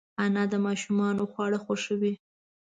انا د ماشومانو خواړه خوښوي